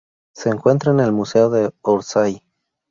Se encuentra en el Museo de Orsay.